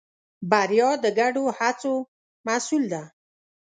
بریا د ګډو هڅو محصول ده.